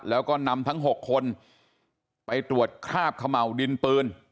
แล้วก็นำทั้ง๖คนไปตรวจคราบเขม่าวดินปืน